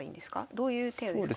どういう手ですか？